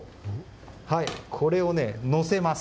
これをね、のせます。